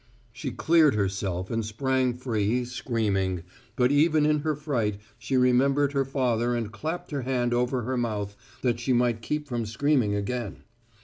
She cleared herself and sprang free, screaming, but even in her fright she remembered her father and clapped her hand over her mouth that she might keep from screaming again.